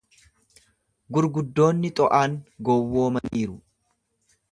Gurguddoonni Xo'aan gowwoomaniiru.